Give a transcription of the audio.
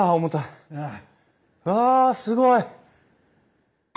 わあすごい！